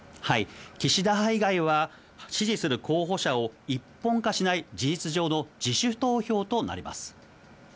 岸田派以外は、支持する候補者を一本化しない、事実上の自主投票となります。